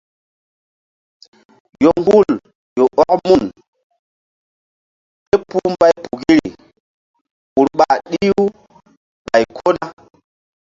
Yoŋhul ƴo ɔk mun ké puhbaypukiri ur ɓa ɗih-u ɓay ko na.